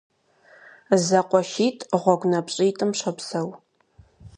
ЗэкъуэшитӀ гъуэгунапщӀитӀым щопсэу.